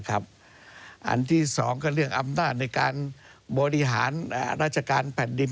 อันที่๒ก็เรื่องอำนาจในการบริหารราชการแผ่นดิน